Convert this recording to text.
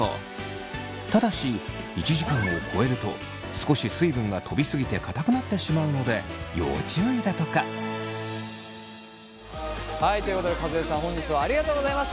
ただし１時間を超えると少し水分がとび過ぎてかたくなってしまうので要注意だとか。ということで和江さん本日はありがとうございました。